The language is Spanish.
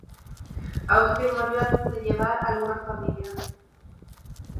Austin murió antes de llevar alguna familia.